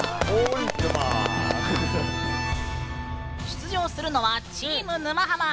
出場するのはチーム沼ハマ！